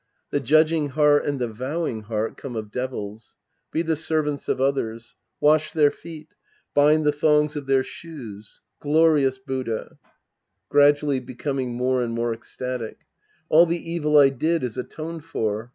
The judging heart and the vowing heart come of devils. Be the servants of others. Wash their feet. .Bind the thongs of their shoes. {Pauses.) Glorious Buddha ! {Gradually becoming more and more ecstatic^ All the evil I did is atoned for.